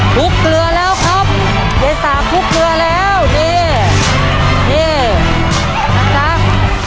พลุกเกลือแล้วครับเยซ่าพลุกเกลือแล้วนี่นี่นะครับ